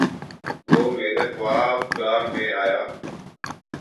وہ میرے خواب گاہ میں آیا